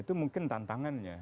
itu mungkin tantangannya